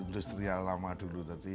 industrial lama dulu